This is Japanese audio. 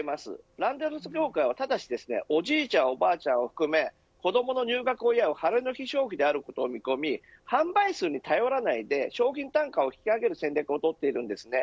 ランドセル業界はただおじいちゃんおばあちゃんを含め子どもの入学を祝うハレの日消費であることを見込み販売数に頼らないで商品単価を引き上げる戦略を取っているんですね。